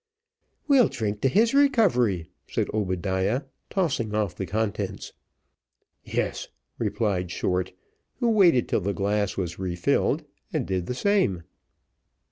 "We'll drink to his recovery," said Obadiah, tossing off the contents. "Yes," replied Short, who waited till the glass was refilled, and did the same.